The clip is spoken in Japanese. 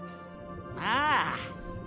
ああ。